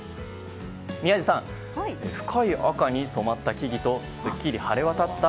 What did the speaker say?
宮司さん深い赤に染まった木々とすっきり晴れ渡った